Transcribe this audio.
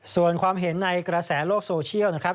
ส่วนความเห็นในกระแสโลกโซเชียลนะครับ